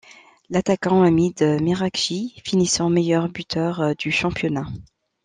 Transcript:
L'attaquant Hamid Merakchi finissant meilleur buteur du championnat.